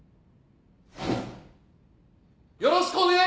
よろしくお願いします！